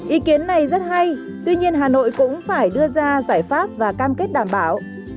ý kiến này rất hay tuy nhiên hà nội cũng phải đưa ra giải pháp và cam kết đảm bảo